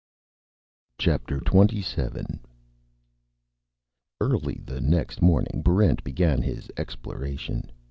Chapter Twenty Seven Early the next morning, Barrent began his exploration.